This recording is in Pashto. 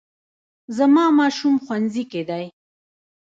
زما ماشوم ښوونځي کې دی